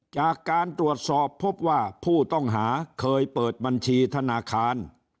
จากการตรวจสอบพบว่าผู้ต้องหาเคยเปิดบัญชีธนาคาร